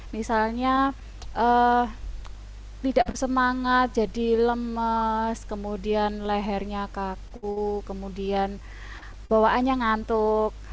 misalnya tidak bersemangat jadi lemes kemudian lehernya kaku kemudian bawaannya ngantuk